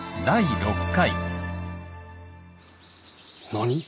何？